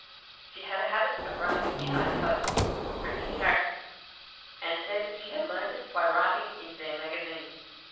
She had a habit of writing in italics (printing characters), and said she had learnt it by writing in their magazine.